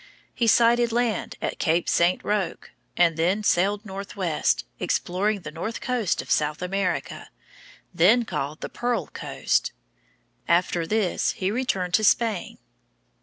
He sighted land at Cape St. Roque, and then sailed northwest, exploring the north coast of South America, then called the Pearl Coast. After this he returned to Spain.